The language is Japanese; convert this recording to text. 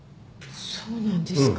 そうなんですか。